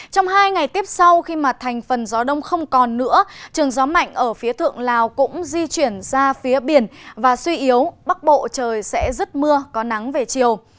trong hai ngày tiếp sau khi mà thành phần gió đông không còn nữa trường gió mạnh ở phía thượng lào cũng di chuyển ra phía biển và suy yếu bắc bộ trời sẽ rứt mưa có nắng về chiều